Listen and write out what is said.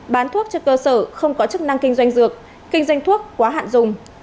bán thuốc cho cơ sở không có chức năng kinh doanh dược kinh doanh thuốc quá hạn dùng